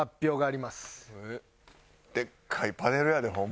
でっかいパネルやでホンマ。